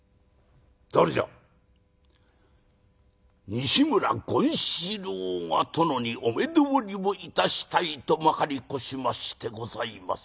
「西村権四郎が殿にお目通りをいたしたいとまかり越しましてございます」。